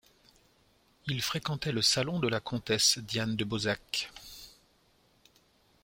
Il fréquentait le salon de la comtesse Diane de Beausacq.